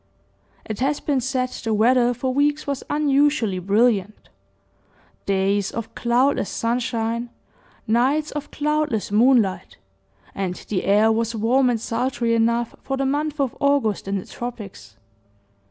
It has been said the weather for weeks was unusually brilliant, days of cloudless sunshine, nights of cloudless moonlight, and the air was warm and sultry enough for the month of August in the tropics.